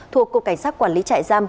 thuộc cục cảnh sát quản lý trại giam